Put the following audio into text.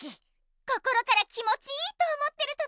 心から気もちいいと思ってる時。